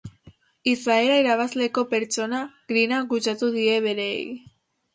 Izaera irabazleko pertsona, grina kutsatu die bereei.